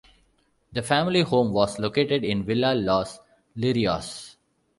The family home was located in Villa Los Lirios.